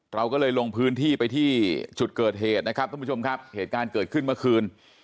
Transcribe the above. เราก็เลยลงพื้นที่ไปที่จุดเกิดเหตุนะครับทุกผู้ชมครับเหตุการณ์เกิดขึ้นเมื่อคืน